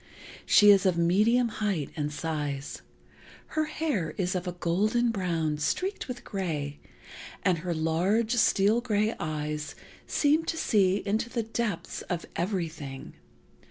She is of medium height and size. Her hair is of a golden brown, streaked with gray, and her large, steel gray eyes seem to see into the depths of everything.